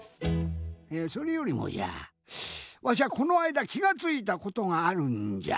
それよりもじゃわしゃこのあいだきがついたことがあるんじゃ。